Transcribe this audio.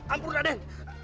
ampun kak den